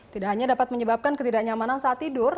tidak hanya dapat menyebabkan ketidaknyamanan saat tidur